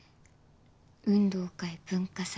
運動会文化祭